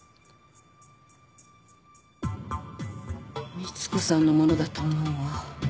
光子さんの物だと思うわ。